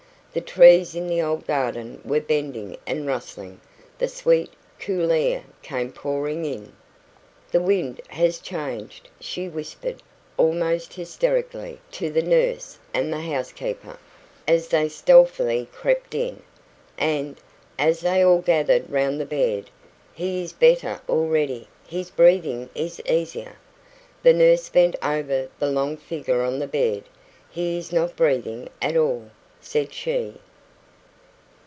The trees in the old garden were bending and rustling; the sweet, cool air came pouring in. "The wind has changed," she whispered, almost hysterically, to the nurse and the housekeeper, as they stealthily crept in. "And" as they all gathered round the bed "he is better already. His breathing is easier." The nurse bent over the long figure on the bed. "He is not breathing at all," said she.